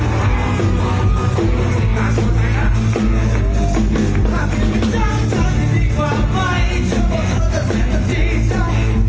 ภาพีมีเจ้าเจ้าที่ดีกว่าไว้เจ้าบอกว่าเจ้าจะเสียบทีเจ้า